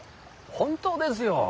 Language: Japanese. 本当ですよ！